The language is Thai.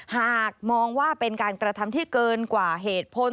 หากมองว่าเป็นการกระทำที่เกินกว่าเหตุผล